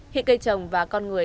hiện cây trồng và con người